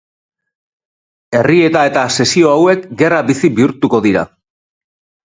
Errieta eta sesio hauek gerra bizi bihurtuko dira.